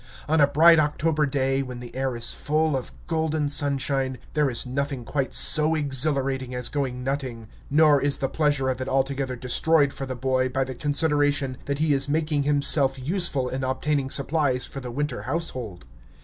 On a bright October day, when the air is full of golden sunshine, there is nothing quite so exhilarating as going nutting. Nor is the pleasure of it altogether destroyed for the boy by the consideration that he is making himself useful in obtaining supplies for the winter household.